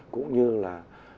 cũng như là